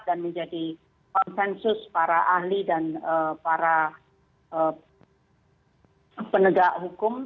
dan menjadi konsensus para ahli dan para penegak hukum